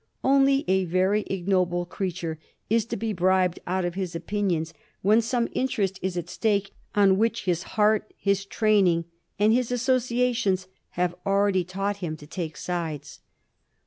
Only a very ignoble creature is to be bribed out of his opinions when some interest is at stake on which his heart, his training, and his asso ciations have already taught him to take sides.